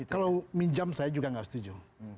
kalau minjam saya juga nggak setuju